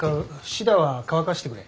シダは乾かしてくれ。